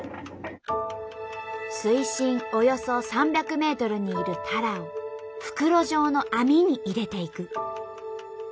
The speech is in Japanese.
水深およそ３００ｍにいるタラを袋状の網に入れていく。